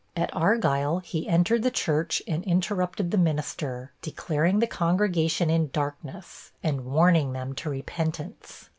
At Argyle he entered the church and interrupted the minister, declaring the congregation in darkness, and warning them to repentance.